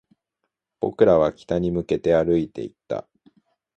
僕らは北に向けて歩いていった